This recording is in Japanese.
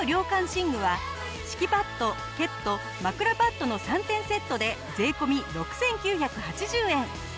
寝具は敷きパッドケット枕パッドの３点セットで税込６９８０円。